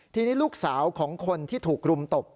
ทีนี้ลูกสาวของคนที่ถูกรุมตบ